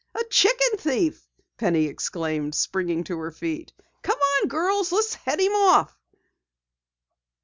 "A chicken thief!" Penny exclaimed, springing to her feet. "Come on, girls, let's head him off!"